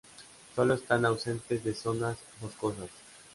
Solo están ausentes de zonas boscosas.